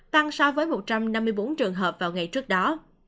tăng so với một trăm năm mươi bốn trường hợp vào ngày trước đó